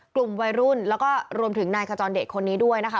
กลุ่มวัยรุ่นแล้วก็รวมถึงนายขจรเดชคนนี้ด้วยนะคะ